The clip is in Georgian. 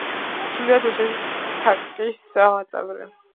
სრულიად რუსეთის ცაკის წევრი.